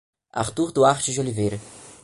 Artur Duarte de Oliveira